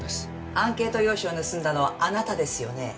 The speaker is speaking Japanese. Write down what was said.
アンケート用紙を盗んだのはあなたですよね？